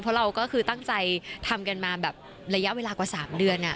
เพราะเราก็คือตั้งใจทำกันมาแบบระยะเวลากว่า๓เดือน